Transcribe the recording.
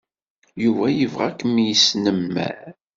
Yuba yebɣa ad ken-yesnemmer.